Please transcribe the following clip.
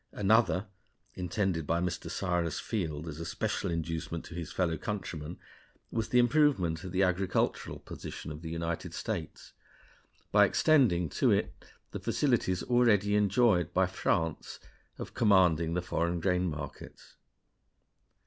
Another intended by Mr. Cyrus Field as a special inducement to his fellow countrymen was the improvement of the agricultural position of the United States, by extending to it the facilities already enjoyed by France of commanding the foreign grain markets.